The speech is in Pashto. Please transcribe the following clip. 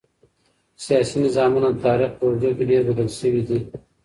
سياسي نظامونه د تاريخ په اوږدو کي ډېر بدل سوي دي.